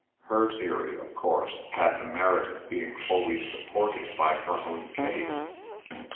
Her theory, of course, had the merit of being fully supported by her own case.